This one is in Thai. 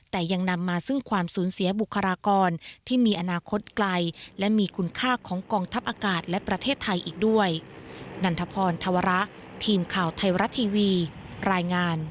แต่ยังนำมาซึ่งความสูญเสียบุคลากรที่มีอนาคตไกลและมีคุณค่าของกองทัพอากาศและประเทศไทยอีกด้วย